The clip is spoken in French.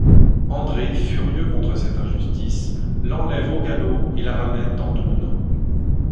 André furieux contre cette injustice l'enlève au galop, et la ramène dans Doubno.